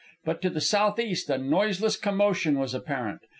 But to the southeast a noiseless commotion was apparent.